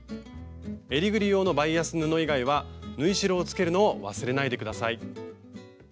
えりぐり用のバイアス布以外は縫い代をつけるのを忘れないで下さい。